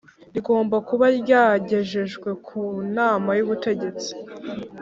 rigomba kuba ryagejejwe ku Nama y Ubutegetsi